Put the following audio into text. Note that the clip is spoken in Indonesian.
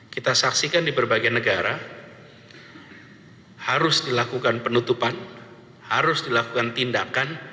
kita saksikan di berbagai negara harus dilakukan penutupan harus dilakukan tindakan